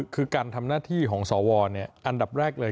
คือการทำหน้าที่ของสวอันดับแรกเลย